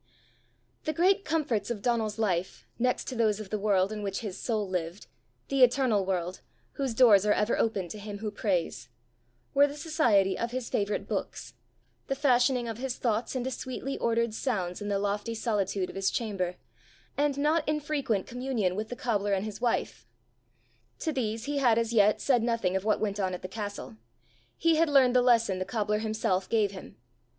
The great comforts of Donal's life, next to those of the world in which his soul lived the eternal world, whose doors are ever open to him who prays were the society of his favourite books, the fashioning of his thoughts into sweetly ordered sounds in the lofty solitude of his chamber, and not infrequent communion with the cobbler and his wife. To these he had as yet said nothing of what went on at the castle: he had learned the lesson the cobbler himself gave him.